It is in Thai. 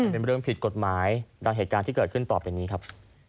เป็นเรื่องผิดกฎหมายและเหตุการณ์ที่เกิดขึ้นตอบเป็นอย่างนี้ครับ